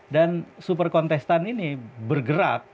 super kontestan ini bergerak